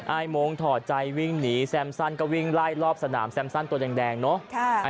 อายโมงถอดใจวิ่งหนีแซมสั้นก็วิ่งไล่รอบสนามแซมซั่นตัวแดงเนอะ